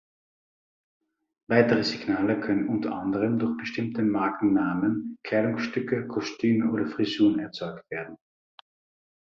Weitere Signale können unter anderem durch bestimmte Markennamen, Kleidungsstücke, Kostüme oder Frisuren erzeugt werden.